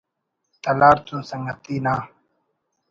”تلار“ تون سنگتی نا